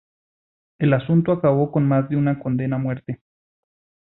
El asunto acabó con más de una condena a muerte.